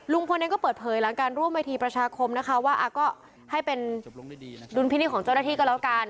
เองก็เปิดเผยหลังการร่วมเวทีประชาคมนะคะว่าก็ให้เป็นดุลพินิษฐ์ของเจ้าหน้าที่ก็แล้วกัน